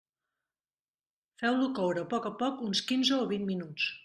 Feu-lo coure a poc a poc, uns quinze o vint minuts.